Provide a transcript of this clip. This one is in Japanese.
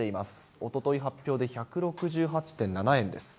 おととい発表で１６８．７円です。